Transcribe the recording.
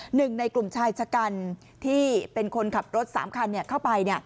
หนึ่งในกลุ่มชายชะกันที่เป็นคนขับรถ๓คันเข้าไป